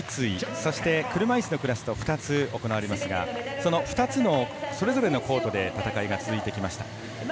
そして車いすのクラスと２つ行われますがその２つのそれぞれのコートで戦いが続いてきました。